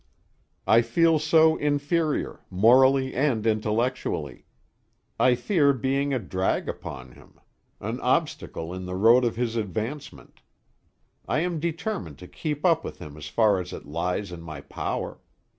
I feel so inferior, morally and intellectually. I fear being a drag upon him; an obstacle in the road of his advancement. I am determined to keep up with him as far as it lies in my power.